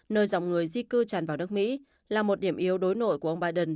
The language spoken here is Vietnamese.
nơi dòng người di cư tràn vào nước mỹ là một điểm yếu đối nội của ông biden